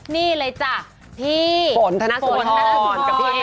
นี่เลยจ้ะโฟธนาสวนพรทอยทันขอขอบพี่คณก่อนนะครับ